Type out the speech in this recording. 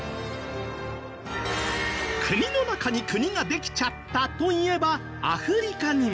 国の中に国ができちゃったといえばアフリカにも。